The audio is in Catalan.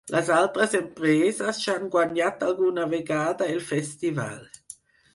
Les altres empreses ja han guanyat alguna vegada el festival.